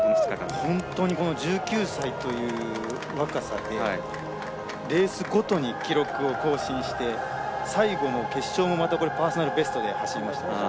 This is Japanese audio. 本当に１９歳という若さでレースごとに記録を更新して最後の決勝も、またパーソナルベストで走りました。